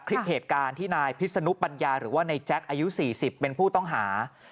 คลิปเหตุการณ์ที่นายพิษนุปัญญาหรือว่าในแจ๊คอายุ๔๐เป็นผู้ต้องหา